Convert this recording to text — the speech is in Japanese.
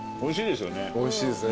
おいしいですよね。